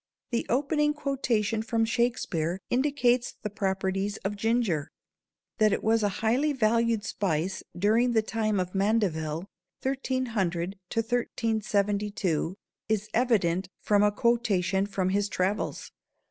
The opening quotation from Shakespeare indicates the properties of ginger. That it was a highly valued spice during the time of Mandeville (1300 1372) is evident from a quotation from his "travels."